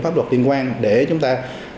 pháp luật liên quan để chúng ta